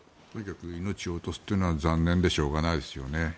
とにかく命を落とすというのは残念でしょうがないですよね。